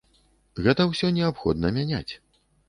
Гэта ўсё неабходна мяняць.